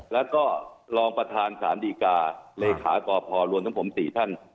แล้วก็รองประธานสารดีกาเลขากพรวมทั้งผม๔ท่าน